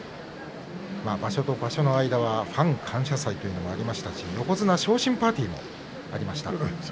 場所と場所の間にはファン感謝祭がありましたし横綱昇進パーティーもありました。